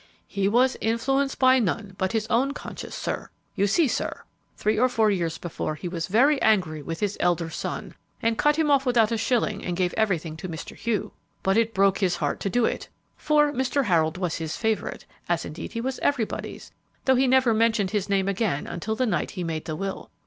"He was influenced by none but his own conscience, sir. You see, sir, three or four years before, he was very angry with his elder son, and cut him off without a shilling and gave everything to Mr. Hugh. But it broke his heart to do it, for Mr. Harold was his favorite, as indeed he was everybody's, though he never mentioned his name again until the night he made the will.